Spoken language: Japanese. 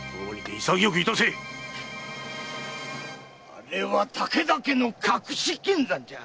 あれは武田家の隠し金山じゃ。